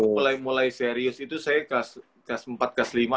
mulai mulai serius itu saya kelas empat kelas lima